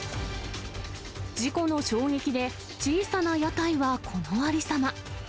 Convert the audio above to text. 事故の衝撃で、小さな屋台はこのありさま。